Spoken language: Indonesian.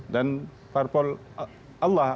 dan parpol allah